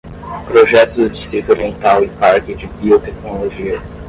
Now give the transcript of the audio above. Projeto do Distrito Oriental e Parque de Biotecnologia